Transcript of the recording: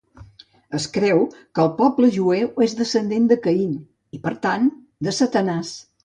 Es creu que el poble jueu és descendent de Caín i, per tant, de Satanàs.